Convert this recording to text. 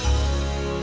ya udah pelan pelan